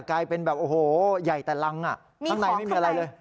กลายเป็นแบบโอ้โหใหญ่แต่รังข้างในไม่มีอะไรเลย